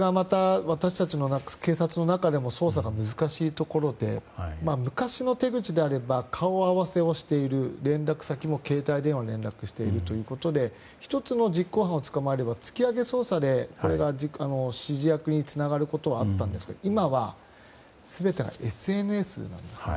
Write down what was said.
警察の中でも捜査が難しいところで昔の手口であれば顔合わせをしている連絡先も携帯電話で連絡しているということで１つの実行犯を捕まえれば突き上げ捜査で指示役につながることはあったんですが今は全てがＳＮＳなんです。